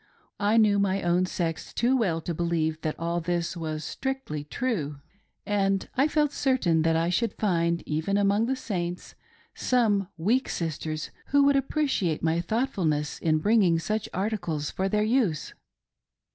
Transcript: I knew my own sex too well to believe that all this was strictly true, and I felt certain that I should find, even among the Saints, some weak sisters who would appreciate my thoughtfulness in bringing such articles for their use.